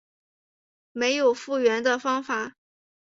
没有复原的方法